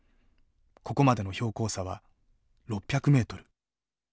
ここまでの標高差は６００ｍ。